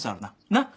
なっ。